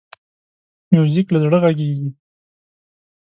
موزیک له زړه غږېږي.